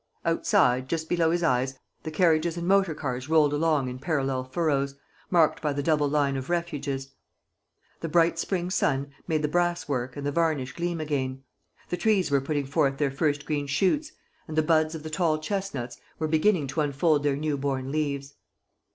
Outside, just below his eyes, the carriages and motor cars rolled along in parallel furrows, marked by the double line of refuges. A bright spring sun made the brass work and the varnish gleam again. The trees were putting forth their first green shoots; and the buds of the tall chestnuts were beginning to unfold their new born leaves.